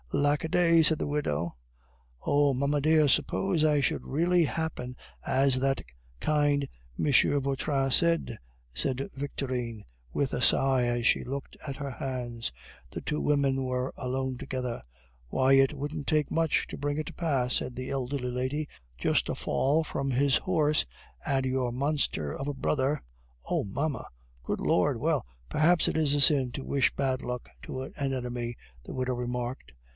"Lack a day!" said the widow. "Oh! mamma dear, suppose it should really happen as that kind M. Vautrin said!" said Victorine with a sigh as she looked at her hands. The two women were alone together. "Why, it wouldn't take much to bring it to pass," said the elderly lady; "just a fall from his horse, and your monster of a brother " "Oh! mamma." "Good Lord! Well, perhaps it is a sin to wish bad luck to an enemy," the widow remarked.